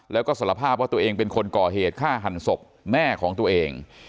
แล้วก็สารภาพว่าตัวเองเป็นคนก่อเหตุฆ่าหันศพแม่ของตัวเอง